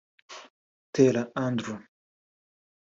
Butera Andrew